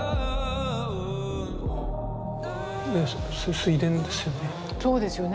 水田ですよね。